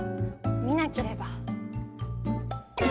見なければ。